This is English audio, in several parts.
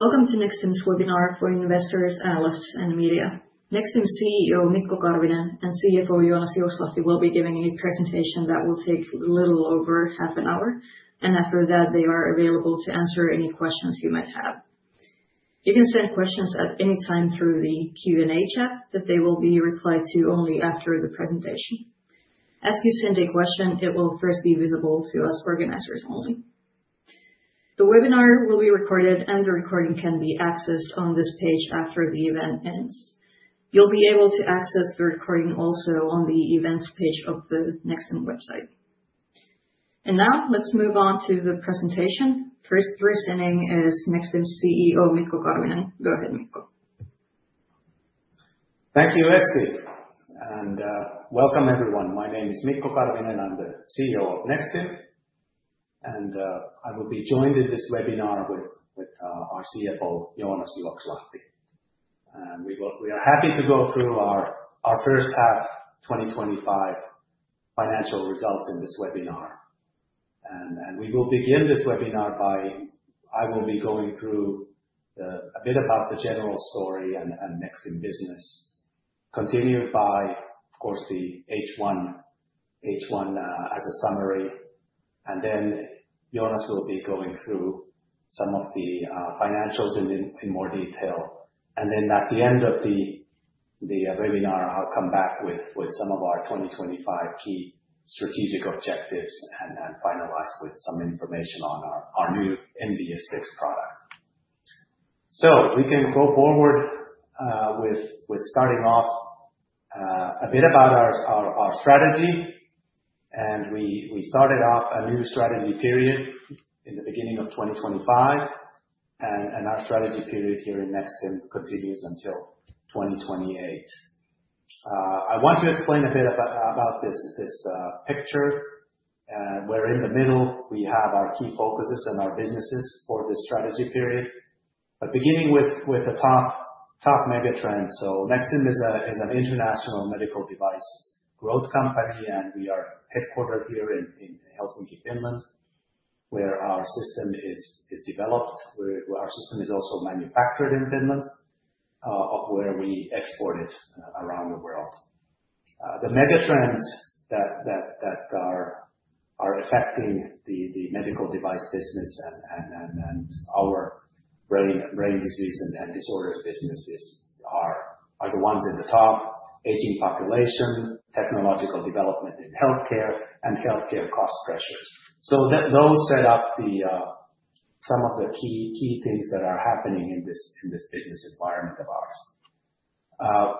Welcome to Nexstim's webinar for investors, analysts, and media. Nexstim's CEO, Mikko Karvinen, and CFO, Joonas Juokslahti, will be giving a presentation that will take a little over half an hour. After that, they are available to answer any questions you might have. You can send questions at any time through the Q&A chat, but they will be replied to only after the presentation. As you send a question, it will first be visible to us organizers only. The webinar will be recorded, and the recording can be accessed on this page after the event ends. You'll be able to access the recording also on the events page of the Nexstim website. Now, let's move on to the presentation. First presenting is Nexstim's CEO, Mikko Karvinen. Go ahead, Mikko. Thank you, Essi, and welcome everyone. My name is Mikko Karvinen. I'm the CEO of Nexstim, and I will be joined in this webinar with our CFO, Joonas Juokslahti. We are happy to go through our first half, 2025 financial results in this webinar. We will begin this webinar by I will be going through a bit about the general story and Nexstim business, continued by, of course, the H1 as a summary. Joonas will be going through some of the financials in more detail. At the end of the webinar, I'll come back with some of our 2025 key strategic objectives and then finalize with some information on our new NBS 6 product. We can go forward with starting off a bit about our strategy. We started off a new strategy period in the beginning of 2025. Our strategy period here at Nexstim continues until 2028. I want to explain a bit about this picture. We're in the middle. We have our key focuses and our businesses for this strategy period. Beginning with the top mega trends. Nexstim is an international medical device growth company, and we are headquartered here in Helsinki, Finland, where our system is developed, where our system is also manufactured in Finland, or where we export it around the world. The mega trends that are affecting the medical device business and our brain disease and disorders businesses are the ones in the top: aging population, technological development in healthcare, and healthcare cost pressures. Those set up some of the key things that are happening in this business environment of ours.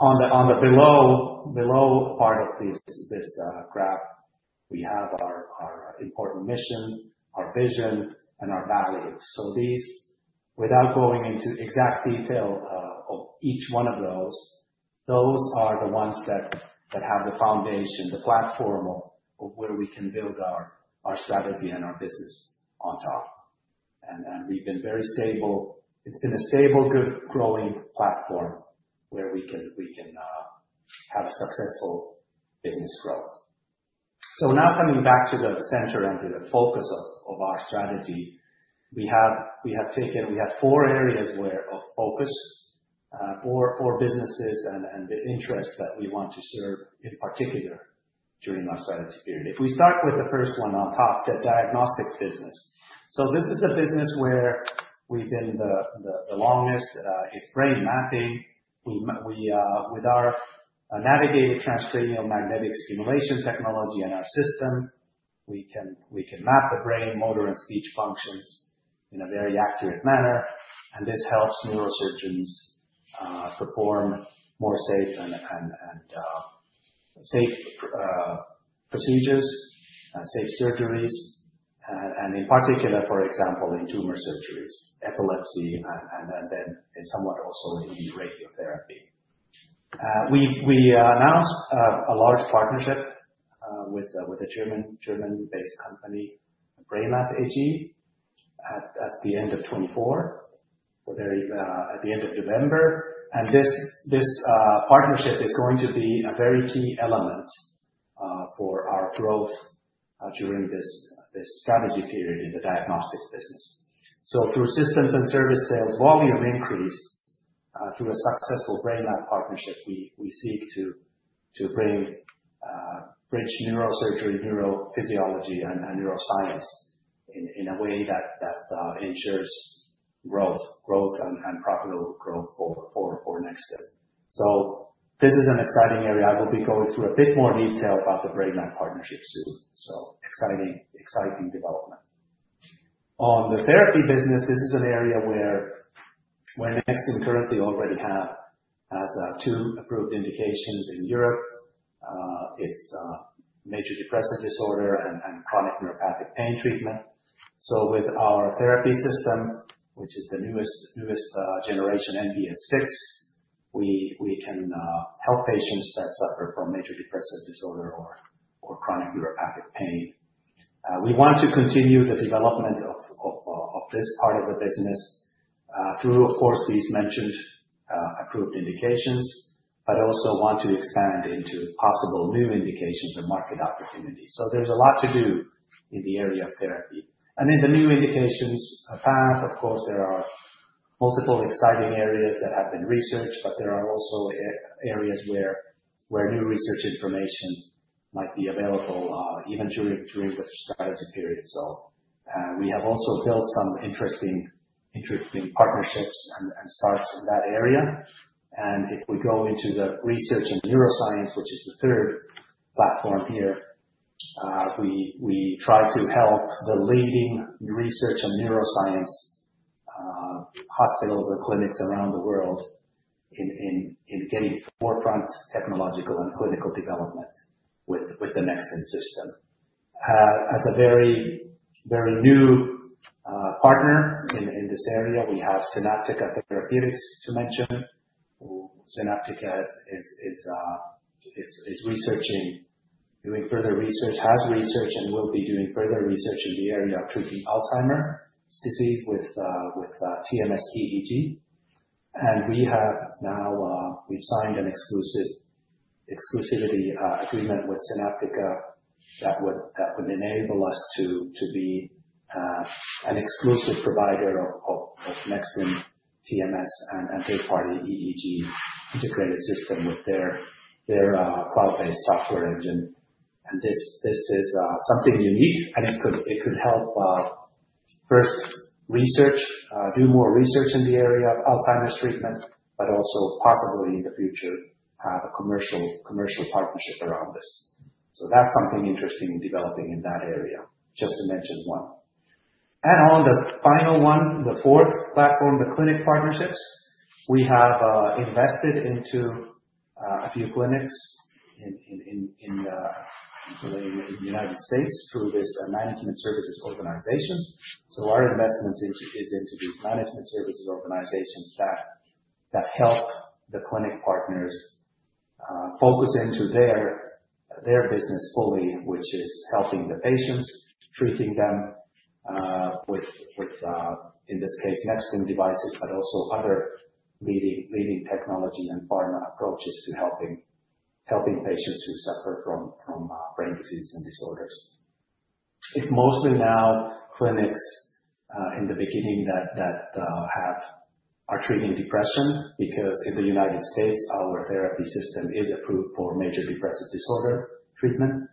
On the below part of this graph, we have our important mission, our vision, and our values. These, without going into exact detail of each one of those, those are the ones that have the foundation, the platform where we can build our strategy and our business on top. We've been very stable. It's been a stable, good, growing platform where we can have successful business growth. Now coming back to the center and to the focus of our strategy, we have taken, we have four areas of focus, four businesses and the interests that we want to serve in particular during our strategy period. If we start with the first one on top, the diagnostics business. This is the business where we've been the longest. It's brain mapping. We are with our navigated transcranial magnetic stimulation technology in our system. We can map the brain, motor, and speech functions in a very accurate manner. This helps neurosurgeons perform more safe procedures and safe surgeries. In particular, for example, in tumor surgeries, epilepsy, and then somewhat also in radiotherapy. We announced a large partnership with a German-based company, Brainlab AG, at the end of 2024, at the end of November. This partnership is going to be a very key element for our growth during this strategy period in the diagnostics business. Through systems and service sales volume increase, through a successful Brainlab partnership, we seek to bridge neurosurgery, neurophysiology, and neuroscience in a way that ensures growth, growth, and profitable growth for Nexstim. This is an exciting area. I will be going through a bit more detail about the Brainlab partnerships too. Exciting development. On the therapy business, this is an area where Nexstim currently already has two approved indications in Europe. It's major depressive disorder and chronic neuropathic pain treatment. With our therapy system, which is the newest generation NBS 6, we can help patients that suffer from major depressive disorder or chronic neuropathic pain. We want to continue the development of this part of the business through, of course, these mentioned approved indications, but also want to expand into possible new indications and market opportunities. There's a lot to do in the area of therapy. In the new indications path, of course, there are multiple exciting areas that have been researched, but there are also areas where new research information might be available even during the strategic period itself. We have also built some interesting partnerships and starts in that area. If we go into the research and neuroscience, which is the third platform here, we try to help the leading research and neuroscience hospitals or clinics around the world in getting forefront technological and clinical development with the Nexstim system. As a very, very new partner in this area, we have Sinaptica Therapeutics to mention. Sinaptica is researching, doing further research, has researched and will be doing further research in the area of Alzheimer's disease with TMS-EEG. We have now signed an exclusivity agreement with Sinaptica that would enable us to be an exclusive provider of Nexstim TMS and third-party EEG integrated system with their cloud-based software engine. This is something unique, and it could help first research, do more research in the area of Alzheimer's treatment, but also possibly in the future have a commercial partnership around this. That's something interesting in developing in that area, just to mention one. On the final one, the fourth platform, the clinic partnerships, we have invested into a few clinics in the United States through this management services organization. Our investment is into these management services organizations that help the clinic partners focus into their business fully, which is helping the patients, treating them with, in this case, Nexstim devices, but also other leading technology and pharma approaches to helping patients who suffer from brain disease and disorders. It's mostly now clinics in the beginning that are treating depression because in the United States, our therapy system is approved for major depressive disorder treatment.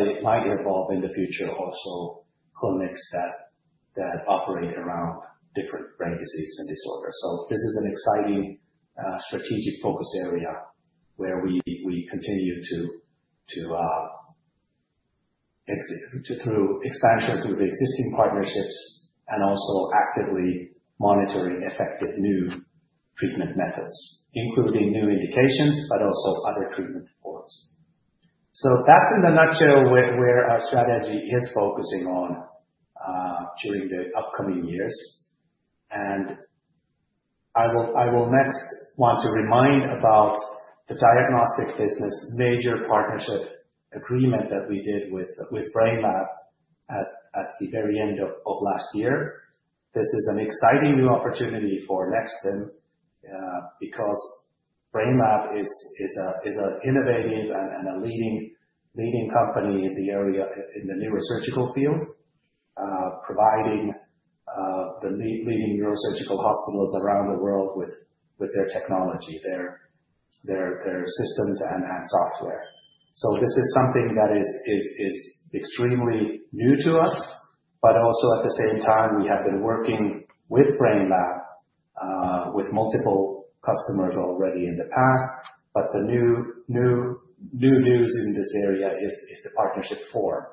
It might evolve in the future also clinics that operate around different brain disease and disorders. This is an exciting strategic focus area where we continue to expand the existing partnerships and also actively monitoring effective new treatment methods, including new indications, but also other treatment supports. That's in a nutshell where our strategy is focusing on during the upcoming years. I will next want to remind about the diagnostic business major partnership agreement that we did with Brainlab AG at the very end of last year. This is an exciting new opportunity for Nexstim because Brainlab AG is an innovative and a leading company in the area in the neurosurgical field, providing the leading neurosurgical hospitals around the world with their technology, their systems, and software. This is something that is extremely new to us. At the same time, we have been working with Brainlab AG with multiple customers already in the past. The new news in this area is the partnership form.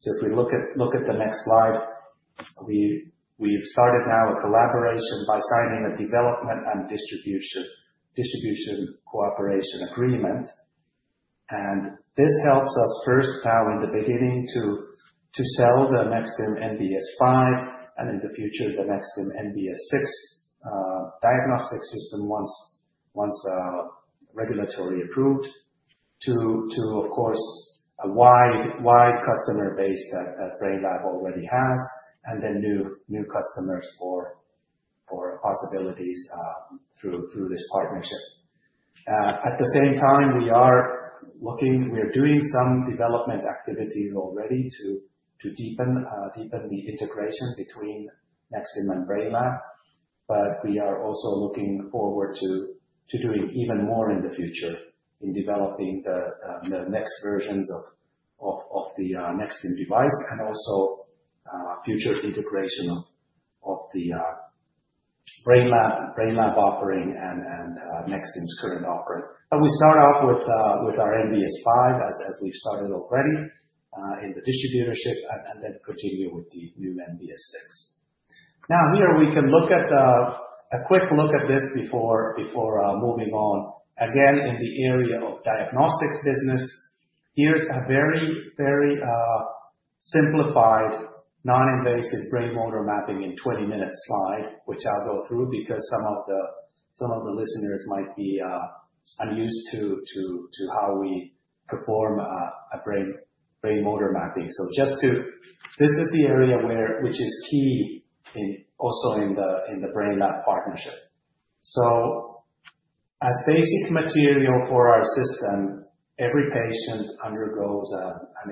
If we look at the next slide, we've started now a collaboration by signing a development and distribution cooperation agreement. This helps us first now in the beginning to sell the Nexstim NBS 5 and in the future, the Nexstim NBS 6 diagnostic system once regulatory approved to, of course, a wide customer base that Brainlab AG already has and then new customers for possibilities through this partnership. At the same time, we are looking, we are doing some development activities already to deepen the integration between Nexstim and Brainlab AG. We are also looking forward to doing even more in the future in developing the next versions of the Nexstim device and future integration of the Brainlab AG offering and Nexstim's current offer. We start off with our NBS 5 as we've started already in the distributorship and then continue with the new NBS 6. Here we can look at a quick look at this before moving on. Again, in the area of diagnostics business, here's a very, very simplified non-emballistic brain motor mapping in 20 minutes slide, which I'll go through because some of the listeners might be unused to how we perform a brain motor mapping. This is the area which is key also in the Brainlab AG partnership. As basic material for our system, every patient undergoes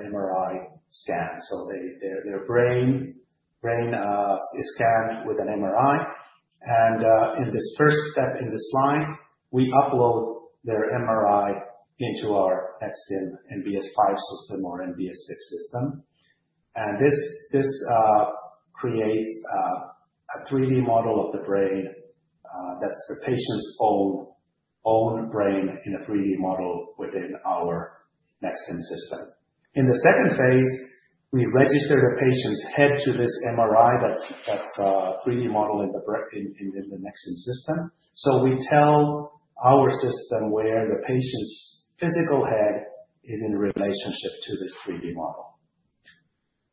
an MRI scan. Their brain is scanned with an MRI. In this first step in the slide, we upload their MRI into our Nexstim NBS 5 system or NBS 6 system. This creates a 3D model of the brain. That's the patient's own brain in a 3D model within our Nexstim system. In the second phase, we register the patient's head to this MRI that's a 3D model in the Nexstim system. We tell our system where the patient's physical head is in relationship to this 3D model.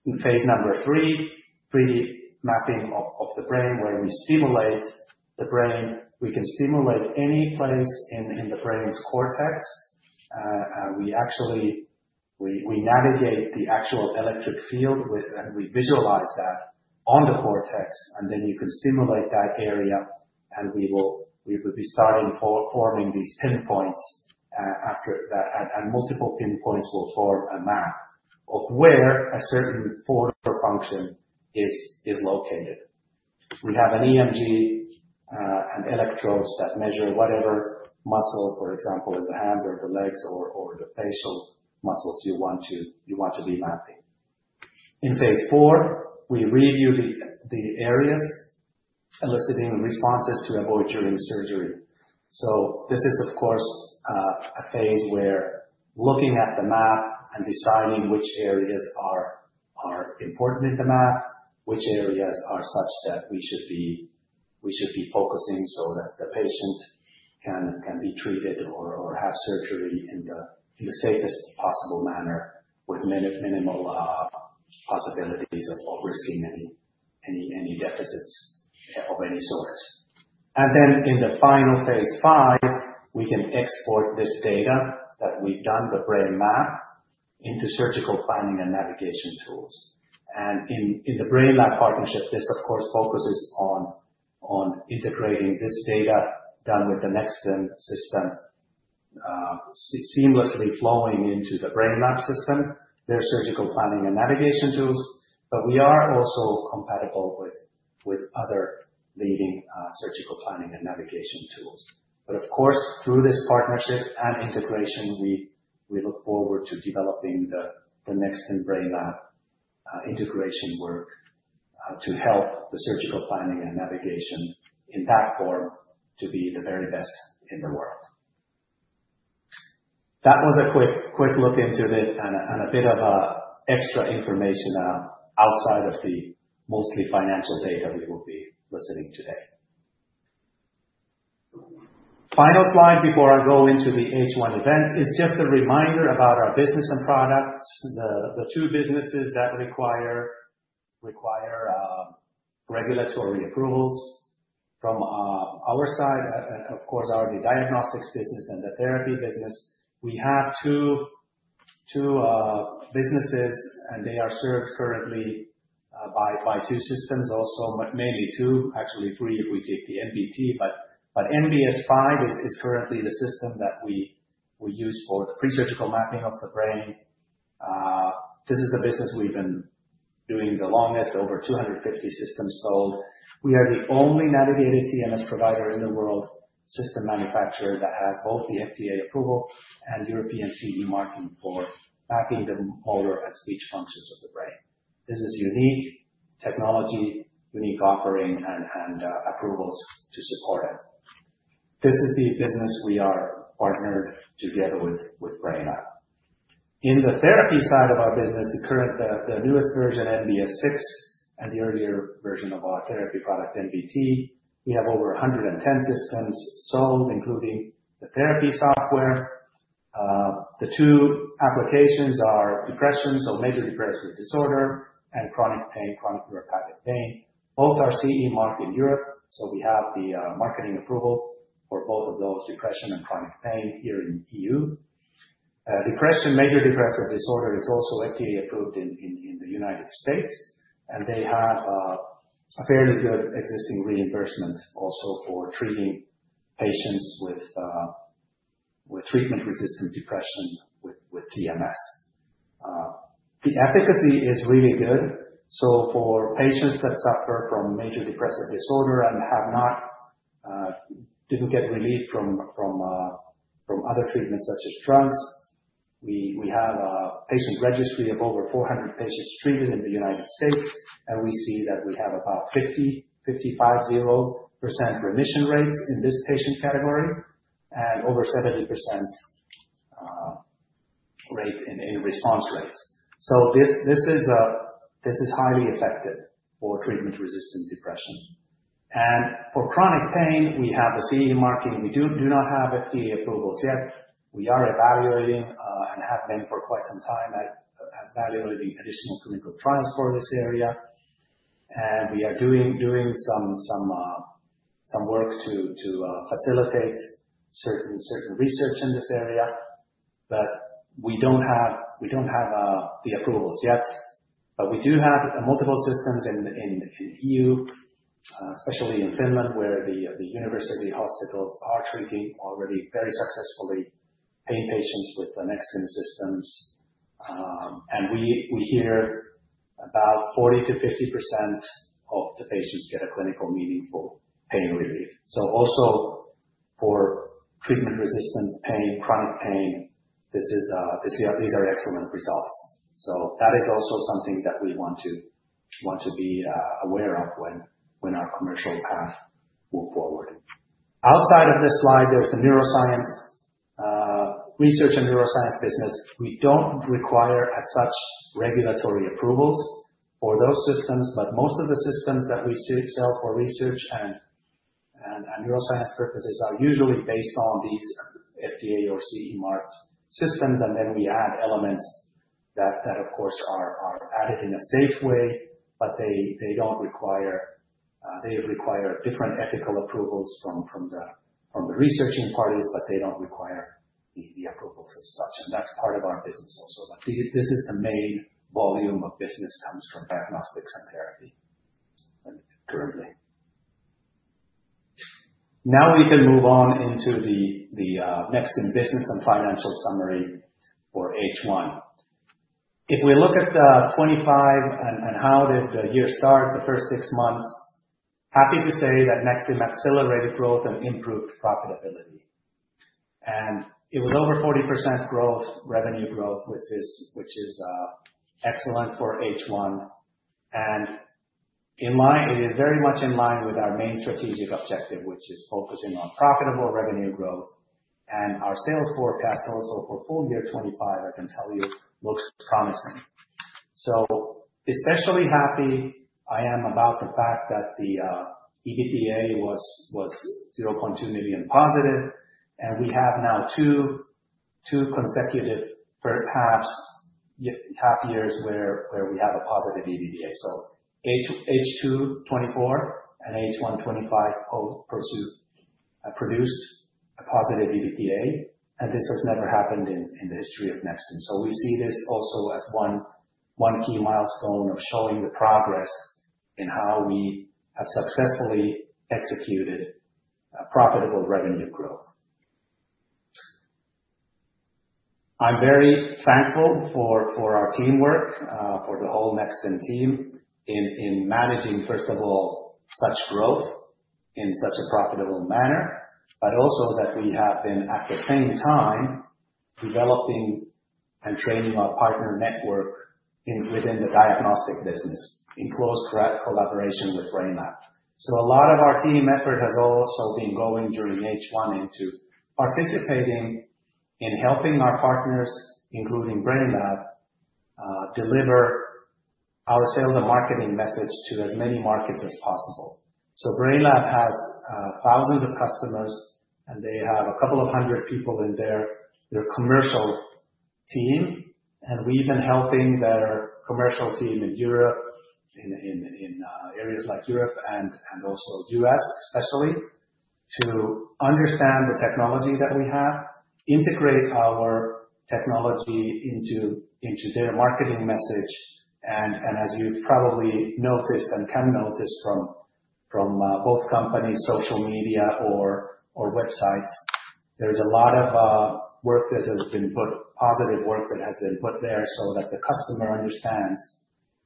In phase number three, 3D mapping of the brain where we stimulate the brain, we can stimulate any place in the brain's cortex. We navigate the actual electric field, we visualize that on the cortex, and then you can stimulate that area. We will be starting forming these pinpoints after that, and multiple pinpoints will form a map of where a certain motor function is located. We have an EMG and electrodes that measure whatever muscle, for example, the hand or the legs or the facial muscles you want to be mapping. In phase four, we review the areas eliciting responses to avoid during surgery. This is a phase where looking at the map and deciding which areas are important in the map, which areas are such that we should be focusing so that the patient can be treated or have surgery in the safest possible manner with minimal possibilities of focusing on any deficits of any sort. In the final phase five, we can export this data that we've done, the brain map, into surgical planning and navigation tools. In the Brainlab AG partnership, this, of course, focuses on integrating this data done with the Nexstim system seamlessly flowing into the Brainlab AG system, their surgical planning and navigation tools. We are also compatible with other leading surgical planning and navigation tools. Through this partnership and integration, we look forward to developing the Nexstim Brainlab AG integration work to help the surgical planning and navigation in that form to be the very best in the world. That was a quick look into this and a bit of extra information outside of the mostly financial data we will be listening to today. The final slide before I go into the H1 events is just a reminder about our business and products. The two businesses that require regulatory approvals from our side, of course, are the diagnostics business and the therapy business. We have two businesses, and they are served currently by two systems, also mainly two, actually three if we take the MVT, but NBS 5 is currently the system that we use for the pre-surgical mapping of the brain. This is the business we've been doing the longest, over 250 systems sold. We are the only navigated TMS provider in the world, system manufacturer that has both the FDA approval and European CE marking for activating motor and speech functions of the brain. This is unique technology, unique offering, and approvals to support it. This is the business we are partnered together with Brainlab AG. In the therapy side of our business, the current, the newest version NBS 6 and the earlier version of our therapy product MVT, we have over 110 systems sold, including the therapy software. The two applications are depression, so major depressive disorder, and chronic pain, chronic neuropathic pain. Both are CE marked in Europe, so we have the marketing approval for both of those, depression and chronic pain, here in the EU. Depression, major depressive disorder is also FDA approved in the U.S., and they have a fairly good existing reimbursement also for treating patients with treatment-resistant depression with TMS. The efficacy is really good. For patients that suffer from major depressive disorder and have not, didn't get relief from other treatments such as drugs, we have a patient registry of over 400 patients treated in the U.S., and we see that we have about 50-55% remission rates in this patient category and over 70% in response rates. This is highly effective for treatment-resistant depression. For chronic pain, we have a CE marking. We do not have FDA approvals yet. We are evaluating and have been for quite some time evaluating additional clinical trials for this area. We are doing some work to facilitate certain research in this area, but we don't have the approvals yet. We do have multiple systems in the EU, especially in Finland where the university hospitals are treating already very successfully pain patients with Nexstim systems. We hear about 40%-50% of the patients get a clinically meaningful pain relief. For treatment-resistant pain, chronic pain, these are excellent results. That is also something that we want to be aware of when our commercial path moves forward. Outside of this slide, there is the neuroscience research and neuroscience business. We don't require as such regulatory approvals for those systems, but most of the systems that we sell for research and neuroscience purposes are usually based on these FDA or CE marked systems. We add elements that, of course, are added in a safe way, but they require different ethical approvals from the researching parties, but they don't require the approvals as such. That is part of our business also. This is the main volume of business that comes from diagnostics and therapy. Now we can move on into the Nexstim business and financial summary for H1. If we look at 2025 and how did the year start, the first six months, happy to say that Nexstim accelerated growth and improved profitability. It was over 40% revenue growth, which is excellent for H1. It is very much in line with our main strategic objective, which is focusing on profitable revenue growth. Our sales forecast also for full year 2025, I can tell you, looks promising. Especially happy I am about the fact that the EBITDA was $0.2 million positive. We have now two consecutive half years where we have a positive EBITDA. H2 2024 and H1 2025 produce a positive EBITDA. This has never happened in the history of Nexstim. We see this also as one key milestone of showing the progress in how we have successfully executed a profitable revenue growth. I'm very thankful for our teamwork, for the whole Nexstim team in managing, first of all, such growth in such a profitable manner, but also that we have been at the same time developing and training our partner network within the diagnostic business in close collaboration with Brainlab AG. A lot of our team effort has also been going during H1 into participating in helping our partners, including Brainlab AG, deliver our sales and marketing message to as many markets as possible. Brainlab AG has thousands of customers, and they have a couple of hundred people in their commercial team. We've been helping their commercial team in Europe and also U.S. especially, to understand the technology that we have, integrate our technology into their marketing message. As you've probably noticed and can notice from both companies' social media or websites, there's a lot of work that has been put, positive work that has been put there so that the customer understands.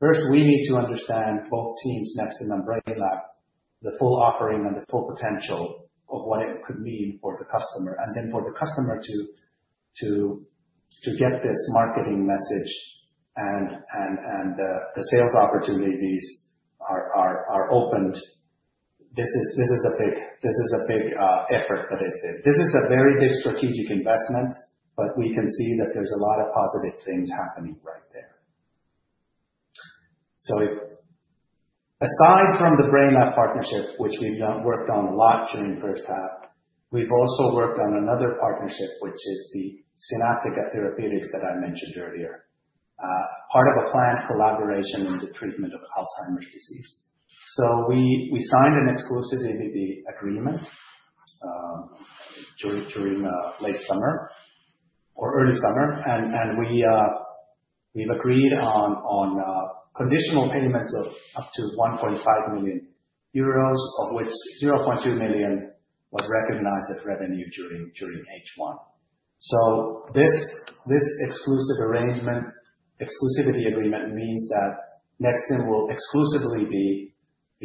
First, we need to understand both teams, Nexstim and Brainlab AG, the full offering and the full potential of what it could mean for the customer. For the customer to get this marketing message and the sales opportunities are opened. This is a big effort that is there. This is a very big strategic investment, but we can see that there's a lot of positive things happening right there. Aside from the Brainlab AG partnership, which we've worked on a lot during the first half, we've also worked on another partnership, which is the Sinaptica Therapeutics that I mentioned earlier, part of a client collaboration in the treatment of Alzheimer's disease. We signed an exclusivity agreement during late summer or early summer. We've agreed on conditional payments of up to 1.5 million euros, of which 0.2 million was recognized as revenue during H1. This exclusive arrangement, exclusivity agreement means that Nexstim will exclusively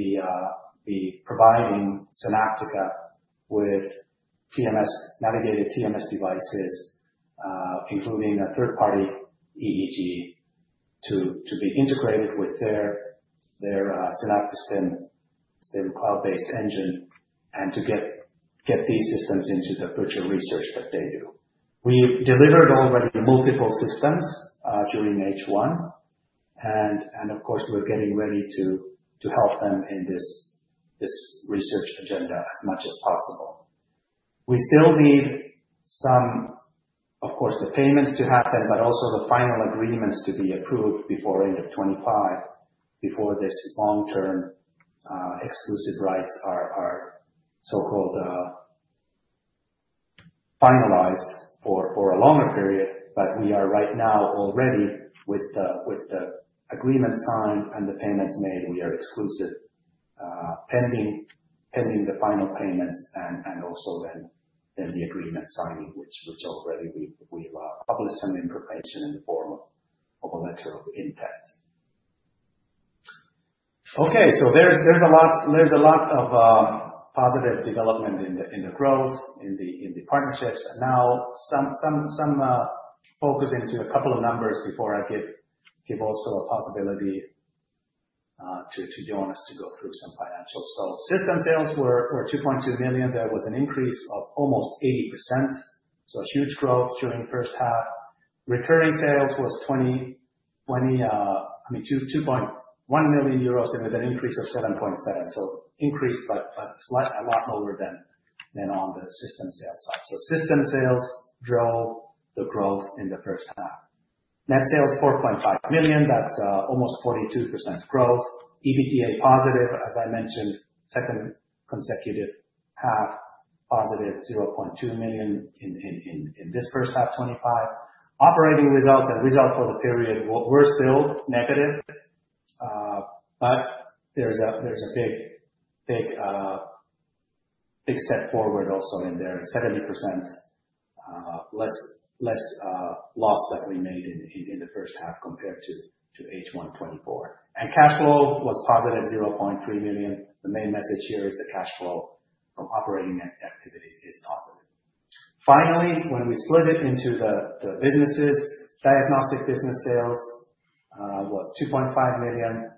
be providing Sinaptica with navigated TMS devices, including a third-party EEG, to be integrated with their Sinaptim Precision Neuromodulation System, cloud-based engine, and to get these systems into the future research that they do. We've delivered already multiple systems during H1. We're getting ready to help them in this research agenda as much as possible. We still need some, of course, the payments to happen, but also the final agreements to be approved before end of 2025 before this long-term exclusive rights are so-called finalized for a longer period. We are right now already with the agreement signed and the payments made. We are exclusive pending the final payments and also then the agreement signing, which was already we've published some information in the form of a letter of intent. There is a lot of positive development in the growth, in the partnerships. Now, focusing to a couple of numbers before I give also the possibility to Joonas to go through some financials. System sales were 2.2 million. There was an increase of almost 80%. A huge growth during the first half. Recurring sales was 2.1 million euros with an increase of 7.7%. Increased, but a lot lower than on the system sales side. System sales drove the growth in the first half. Net sales 4.5 million. That's almost 42% growth. EBITDA positive, as I mentioned. Second consecutive half positive, 0.2 million in this first half 2025. Operating results and results for the period were still negative. There is a big step forward also in there, 70% less loss that we made in the first half compared to H1 2024. Cash flow was positive 0.3 million. The main message here is the cash flow from operating activities is positive. Finally, when we split it into the businesses, diagnostic business sales was 2.5 million.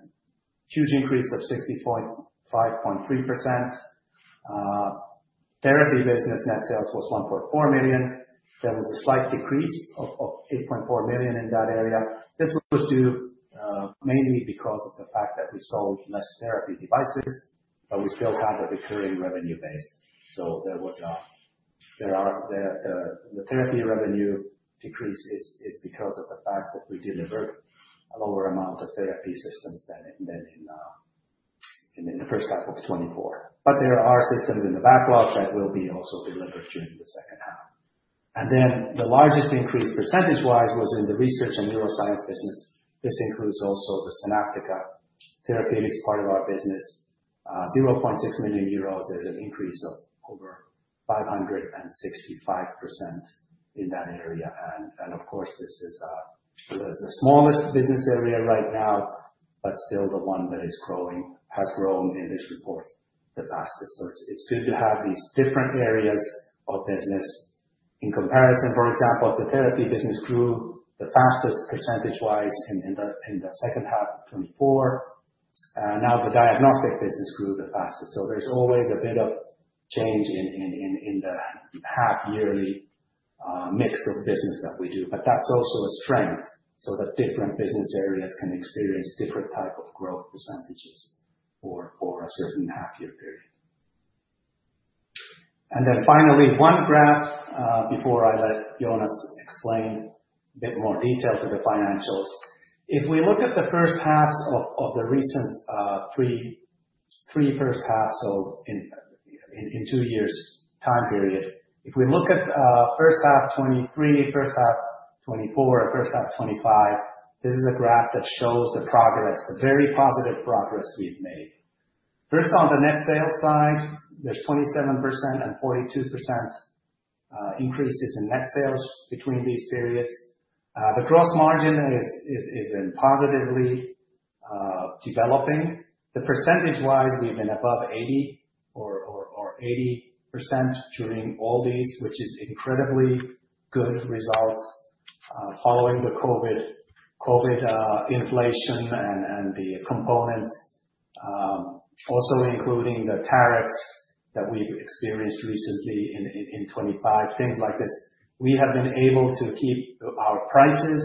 Huge increase of 65.3%. Therapy business net sales was 1.4 million. There was a slight decrease of 8.4% in that area. This was due mainly because of the fact that we sold less therapy devices, but we still have a recurring revenue base. The therapy revenue decrease is because of the fact that we delivered a lower amount of therapy systems than in the first half of 2024. There are systems in the backlog that will be also delivered during the second half. The largest increase percentage-wise was in the research and neuroscience business. This includes also the Sinaptica Therapeutics part of our business. 0.6 million euros. There is an increase of over 565% in that area. Of course, this is the smallest business area right now, but still the one that is growing, has grown in this report the fastest. It is good to have these different areas of business. In comparison, for example, the therapy business grew the fastest percentage-wise in the second half of 2024. Now the diagnostic business grew the fastest. There is always a bit of change in the half-yearly mix of business that we do. That's also a strength so that different business areas can experience different types of growth percentages for a certain half-year period. Finally, one graph before I let Joonas explain a bit more detail to the financials. If we look at the first halves of the recent three first halves, in two years' time period, if we look at the first half 2023, first half 2024, and first half 2025, this is a graph that shows the progress, the very positive progress we've made. First on the net sales side, there's 27% and 42% increases in net sales between these periods. The gross margin is positively developing. Percentage-wise, we've been above 80 or 80% during all these, which is an incredibly good result following the COVID inflation and the components, also including the tariffs that we've experienced recently in 2025, things like this. We have been able to keep our prices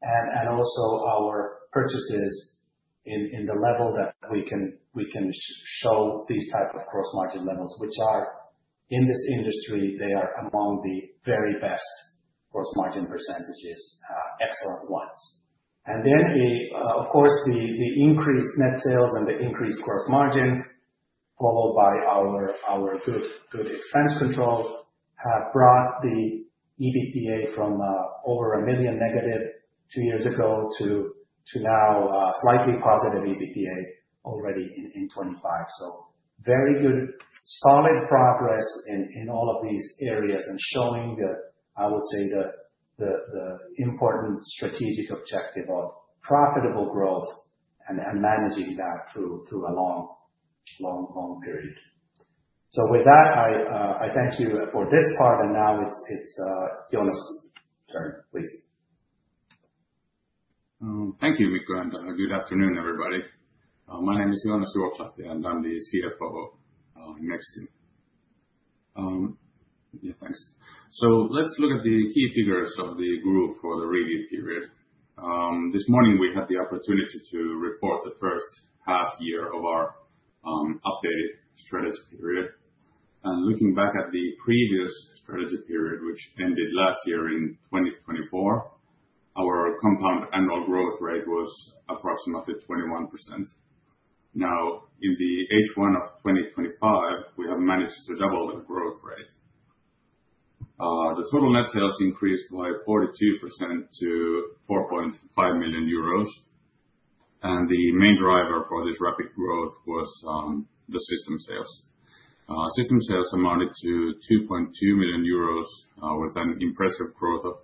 and also our purchases in the level that we can show these types of gross margin levels, which are in this industry, they are among the very best gross margin percentages, excellent ones. The increased net sales and the increased gross margin, followed by our good expense control, had brought the EBITDA from over a million negative two years ago to now slightly positive EBITDA already in 2025. Very good, solid progress in all of these areas and showing the, I would say, the important strategic objective of profitable growth and managing that through a long, long, long period. With that, I thank you for this part. Now it's Joonas. Sorry, please. Thank you, Mikko, and good afternoon, everybody. My name is Joonas Juokslahti, and I'm the CFO of Nexstim. Yeah, thanks. Let's look at the key figures of the group for the reading period. This morning, we had the opportunity to report the first half year of our updated strategy period. Looking back at the previous strategy period, which ended last year in 2024, our compound annual growth rate was approximately 21%. Now, in the H1 of 2025, we have managed to double our growth rate. The total net sales increased by 42% to 4.5 million euros. The main driver for this rapid growth was the system sales. System sales amounted to 2.2 million euros with an impressive growth of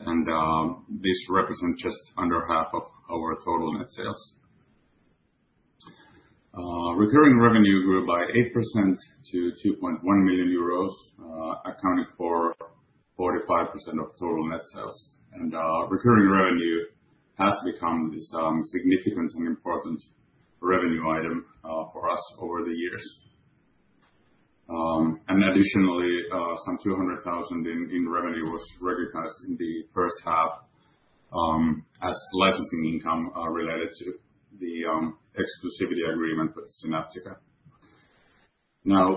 80%. This represents just under half of our total net sales. Recurring revenue grew by 8% to 2.1 million euros, accounting for 45% of total net sales. Recurring revenue has become this significant and important revenue item for us over the years. Additionally, some 200,000 in revenue was recognized in the first half as licensing income related to the exclusivity agreement with Sinaptica.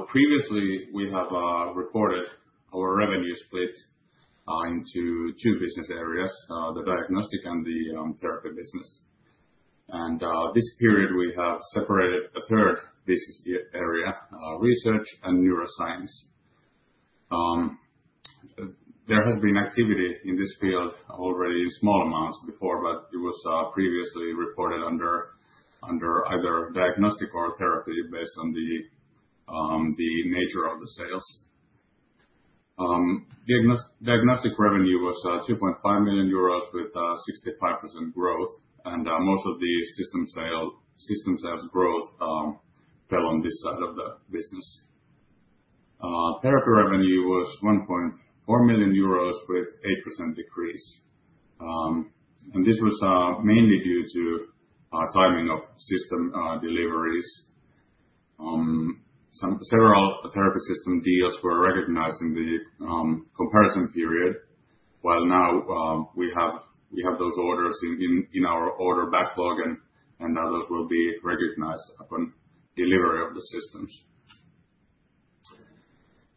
Previously, we have reported our revenue split into two business areas, the diagnostic and the therapy business. This period, we have separated a third business area, research and neuroscience. There has been activity in this field already in small amounts before, but it was previously reported under either diagnostic or therapy based on the nature of the sales. Diagnostic revenue was 2.5 million euros with 65% growth. Most of the system sales growth fell on this side of the business. Therapy revenue was 1.4 million euros with 8% decrease. This was mainly due to our timing of system deliveries. Several therapy system deals were recognized in the comparison period. We now have those orders in our order backlog, and those will be recognized upon delivery of the systems.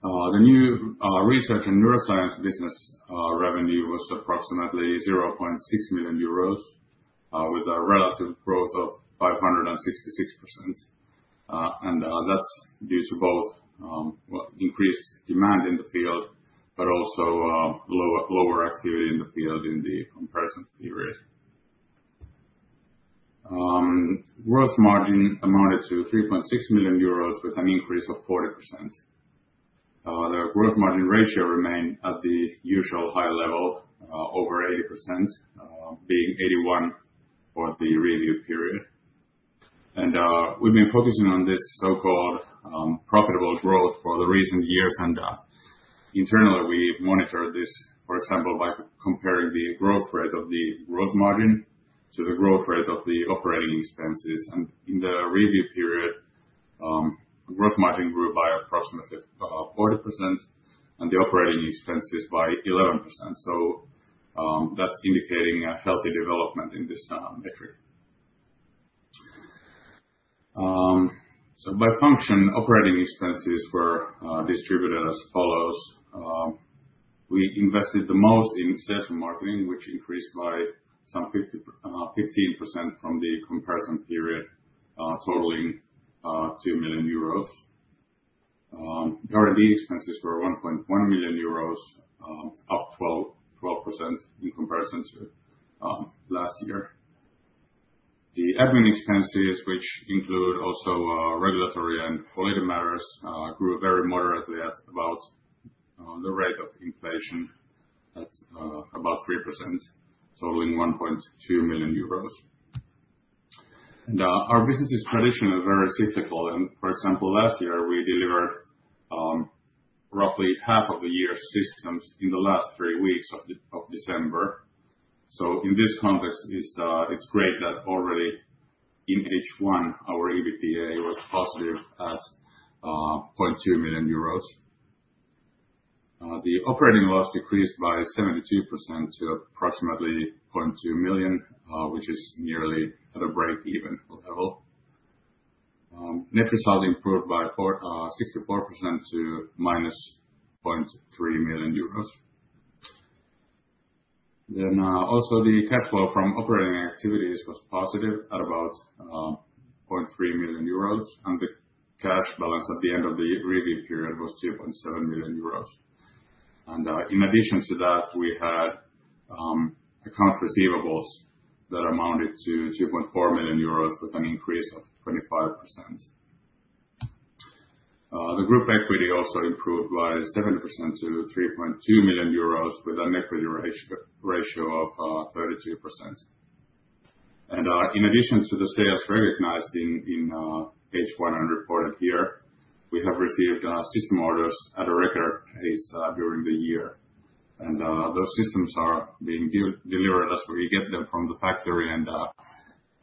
The new research and neuroscience business revenue was approximately 0.6 million euros with a relative growth of 566%. That is due to both increased demand in the field, but also lower activity in the field in the comparison period. Gross margin amounted to 3.6 million euros with an increase of 40%. The gross margin ratio remained at the usual high level, over 80%, being 81% for the review period. We have been focusing on this so-called profitable growth for the recent years. Internally, we monitor this, for example, by comparing the growth rate of the gross margin to the growth rate of the operating expenses. In the review period, gross margin grew by approximately 40% and the operating expenses by 11%. That is indicating a healthy development in this metric. By function, operating expenses were distributed as follows. We invested the most in sales and marketing, which increased by some 15% from the comparison period, totaling 2 million euros. Daily lease expenses were 1.1 million euros, up 12% in comparison to last year. The admin expenses, which include also regulatory and political matters, grew very moderately at about the rate of inflation at about 3%, totaling 1.2 million euros. Our business is traditionally very cyclical. For example, last year, we delivered roughly half of the year's systems in the last three weeks of December. In this context, it's great that already in H1, our EBITDA was positive at 0.2 million euros. The operating loss decreased by 72% to approximately 0.2 million, which is nearly at a break-even level. Net result improved by 64% to minus EUR 0.3 million. The cash flow from operating activities was positive at about 0.3 million euros. The cash balance at the end of the review period was 2.7 million euros. In addition to that, we had account receivables that amounted to 2.4 million euros with an increase of 25%. The group equity also improved by 7% to 3.2 million euros with an equity ratio of 32%. In addition to the sales recognized in H1 and reported here, we have received system orders at a record pace during the year. Those systems are being delivered as we get them from the factory.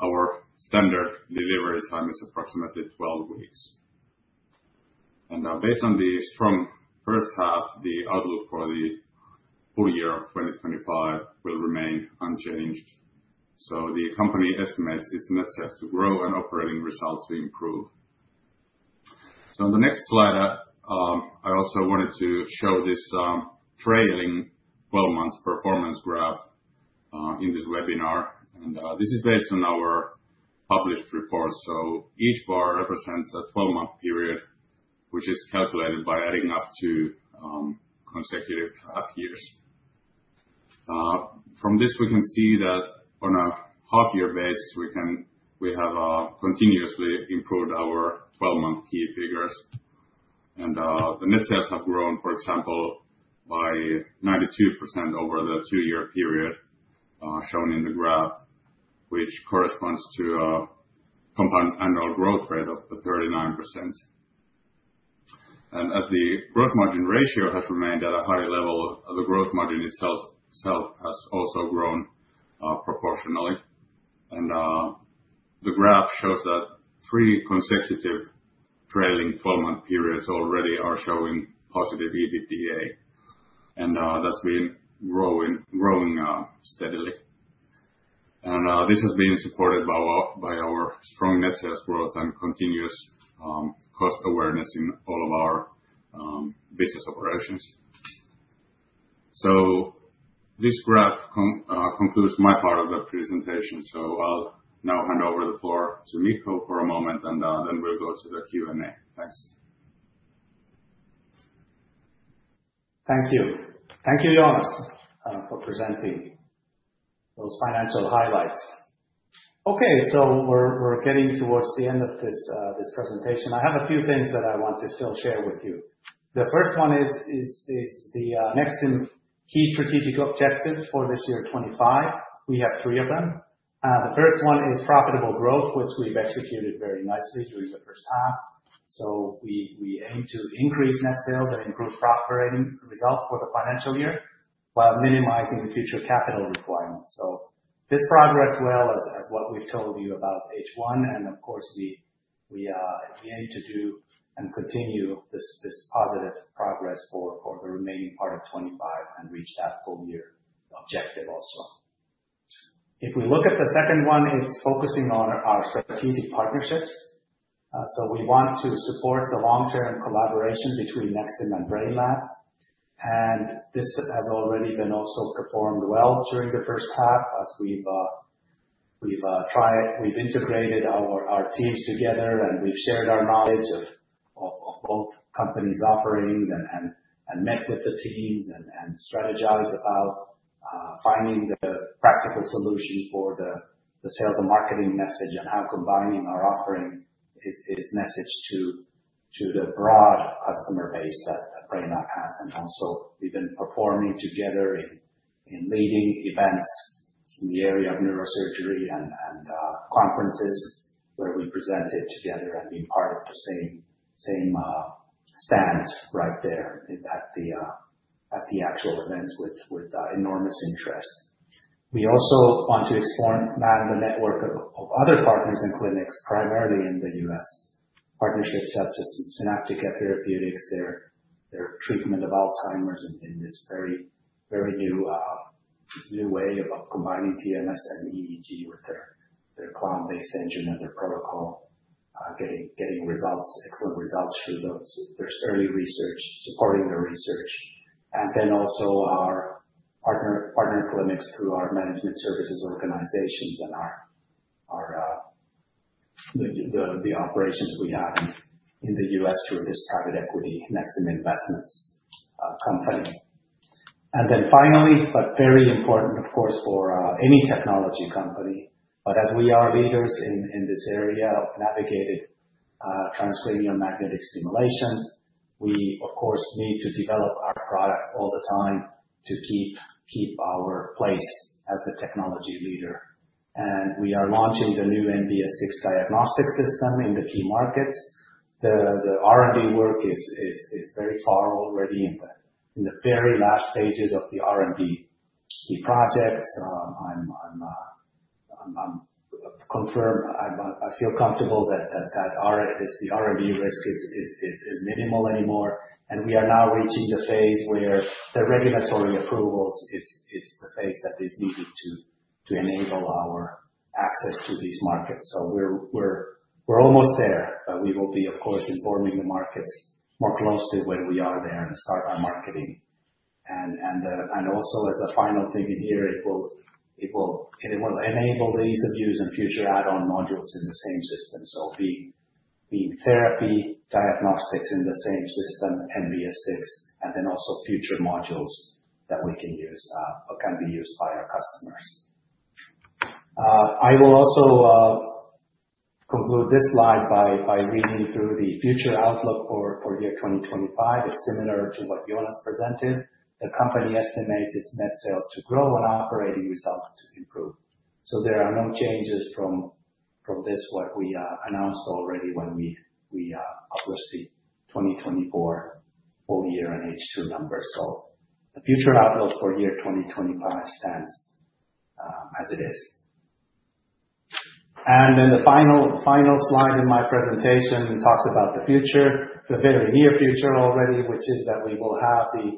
Our standard delivery time is approximately 12 weeks. Based on the strong first half, the outlook for the full year of 2025 will remain unchanged. The company estimates it's necessary to grow and operating results to improve. On the next slide, I also wanted to show this trailing 12-month performance graph in this webinar. This is based on our published report. Each bar represents a 12-month period, which is calculated by adding up two consecutive half years. From this, we can see that on a half-year basis, we have continuously improved our 12-month key figures. The net sales have grown, for example, by 92% over the two-year period shown in the graph, which corresponds to a compound annual growth rate of 39%. As the gross margin ratio has remained at a high level, the gross margin itself has also grown proportionally. The graph shows that three consecutive trailing 12-month periods already are showing positive EBITDA. That's been growing steadily. This has been supported by our strong net sales growth and continuous cost awareness in all of our business operations. This graph concludes my part of the presentation. I'll now hand over the floor to Mikko for a moment, and then we'll go to the Q&A. Thanks. Thank you. Thank you, Joonas, for presenting those financial highlights. We're getting towards the end of this presentation. I have a few things that I want to still share with you. The first one is the Nexstim key strategic objectives for this year 2025. We have three of them. The first one is profitable growth, which we've executed very nicely during the first half. We aim to increase net sales and improve operating results for the financial year while minimizing the future capital requirements. This progresses well as what we've told you about H1 and, of course, the HSU and continue this positive progress for the remaining part of 2025 and reach that full year objective also. If we look at the second one, it's focusing on our strategic partnerships. We want to support the long-term collaboration between Nexstim and Brainlab AG. This has already been also performed well during the first half as we've integrated our teams together and we've shared our knowledge of both companies' offerings and met with the teams and strategized about finding the practical solution for the sales and marketing message and how combining our offering is messaged to the broad customer base that Brainlab AG has. We've been performing together in leading events in the area of neurosurgery and conferences where we present it together and be part of the same stands right there at the actual events with enormous interest. We also want to expand the network of other partners and clinics, primarily in the U.S. Partnerships such as Sinaptica Therapeutics, their treatment of Alzheimer's in this very, very new way of combining TMS and EEG with their cloud-based engine and their protocol, getting excellent results through early research, supporting the research. Our partner clinics through our management services organizations and the operations we have in the U.S. through this private equity Nexstim Investments LLC companies. Finally, but very important, of course, for any technology company, but as we are leaders in this area of navigated transcranial magnetic stimulation, we, of course, need to develop our product all the time to keep our place as the technology leader. We are launching the new NBS 6 diagnostic system in the key markets. The R&D work is very far already in the very last stages of the R&D project. I'm confirmed. I feel comfortable that the R&D risk is minimal anymore. We are now reaching the phase where the readiness for approvals is the phase that is needed to enable our access to these markets. We're almost there, but we will be, of course, informing the markets more closely when we are there and start our marketing. Also, as a final thing in here, it will enable the ease of use and future add-on modules in the same system. Being therapy, diagnostics in the same system, NBS 6, and then also future modules that we can use or can be used by our customers. I will also conclude this slide by reading through the future outlook for year 2025. It's similar to what Joonas presented. The company estimates its net sales to grow and operating results to improve. There are no changes from this, what we announced already when we published the 2024 full year and H2 numbers. The future outlook for year 2025 stands as it is. The final slide in my presentation talks about the future, the very near future already, which is that we will have the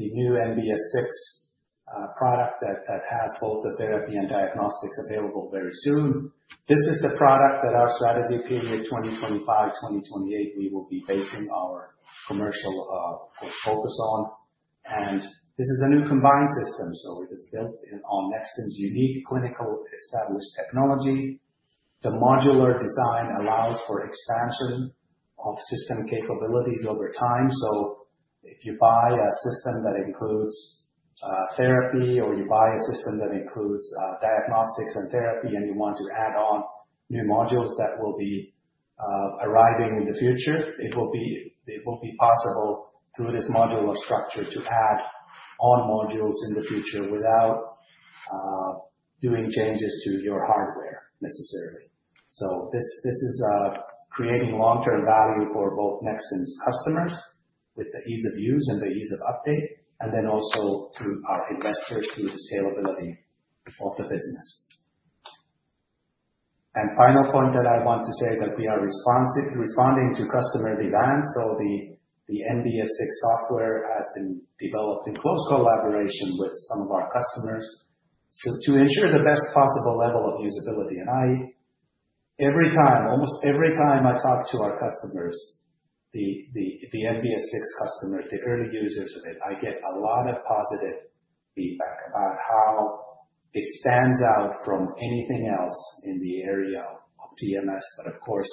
new NBS 6 product that has both the therapy and diagnostics available very soon. This is the product that our strategy period 2025-2028 we will be basing our commercial focus on. This is a new combined system. It is built on Nexstim's unique clinical established technology. The modular design allows for expansion of system capabilities over time. If you buy a system that includes therapy or you buy a system that includes diagnostics and therapy and you want to add on new modules that will be arriving in the future, it will be possible through this modular structure to add on modules in the future without doing changes to your hardware necessarily. This is creating long-term value for both Nexstim's customers with the ease of use and the ease of update, and also to our investors see the scalability of the business. Final point that I want to say is that we are responsively responding to customer demands. The NBS 6 software has been developed in close collaboration with some of our customers to ensure the best possible level of usability. Every time, almost every time I talk to our customers, the NBS 6 customers, the early users of it, I get a lot of positive feedback about how it stands out from anything else in the area of TMS. Of course,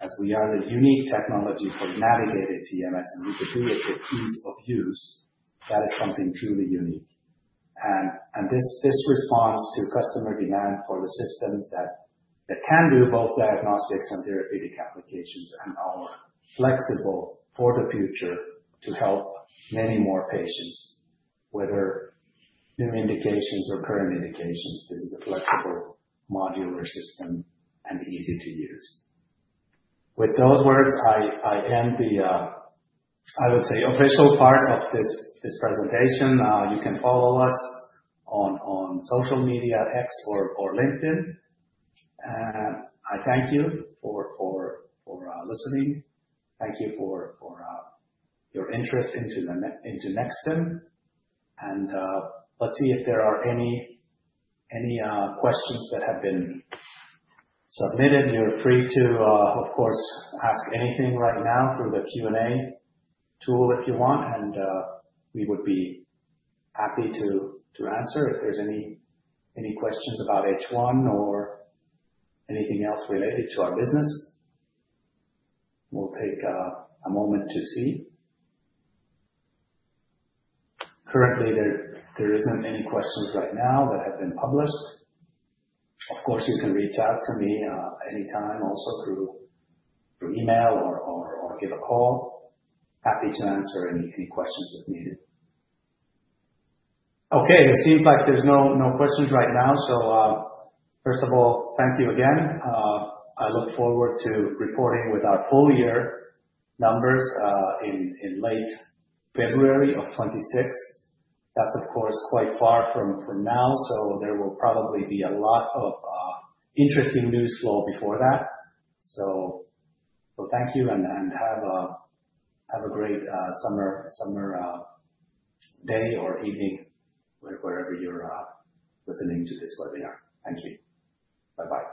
as we are the unique technology for navigated TMS and we could do it for ease of use, that is something truly unique. This responds to customer demand for the systems that can do both diagnostics and therapeutic applications and are flexible for the future to help many more patients, whether new indications or current indications. This is a flexible modular system and easy to use. With those words, I end the, I would say, official part of this presentation. You can follow us on social media X or LinkedIn. Thank you for listening. Thank you for your interest in Nexstim. Let's see if there are any questions that have been submitted. You're free to, of course, ask anything right now through the Q&A tool if you want. We would be happy to answer if there's any questions about H1 or anything else related to our business. We'll take a moment to see. Currently, there aren't any questions right now that have been published. Of course, you can reach out to me anytime also through email or give a call. Happy to answer any questions if needed. It seems like there's no questions right now. First of all, thank you again. I look forward to reporting with our full year numbers in late February of 2026. That's, of course, quite far from now. There will probably be a lot of interesting news flow before that. Thank you and have a great summer day or evening wherever you're listening to this webinar. Thank you. Bye-bye.